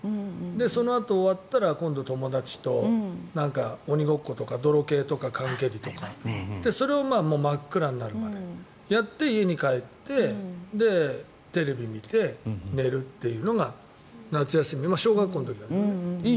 そのあと終わったら今度は友達と鬼ごっことかドロケイとか缶蹴りとかそれを真っ暗になるまでやって家に帰ってテレビ見て、寝るっていうのが夏休み、小学校の時だけどね。